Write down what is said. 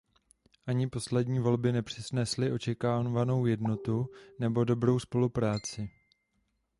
Ani poslední volby nepřinesly očekávanou jednotu nebo dobrou spolupráci.